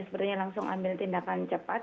sepertinya langsung ambil tindakan cepat